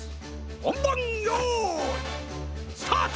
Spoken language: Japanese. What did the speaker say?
ほんばんよういスタート！